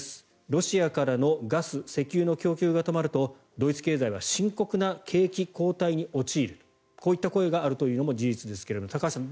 ロシアからのガス、石油の供給が止まるとドイツ経済は深刻な景気後退に陥るとこういった声があるというのも事実ですが高橋さん